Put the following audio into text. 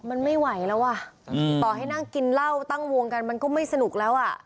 มันไม่ไหวแล้วอ่ะต่อให้นั่งกินเหล้าตั้งวงกันมันก็ไม่สนุกแล้วอ่ะ